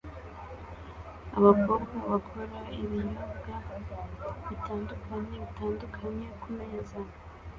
Abakobwa bakora ibinyobwa bitandukanye bitandukanye kumeza